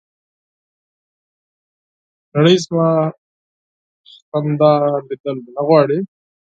دنیا زما خندا لیدل نه غواړي